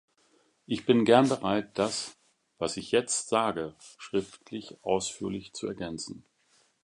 Ich bin gern bereit, das, was ich jetzt sage, schriftlich ausführlich zu ergänzen.